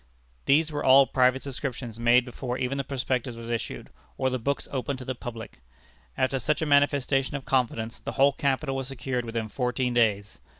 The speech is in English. These were all private subscriptions made before even the prospectus was issued, or the books opened to the public. After such a manifestation of confidence, the whole capital was secured within fourteen days.